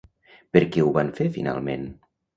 Per què ho van fer finalment?